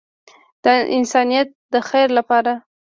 د انسانیت د خیر لپاره.